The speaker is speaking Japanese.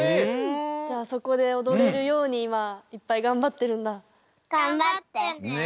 じゃあそこでおどれるようにいまいっぱいがんばってるんだ？